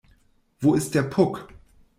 Wo ist der Puck?